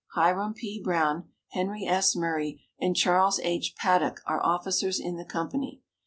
Hiram P. Brown, Henry S. Murray and Charles H. Paddock are officers in the company.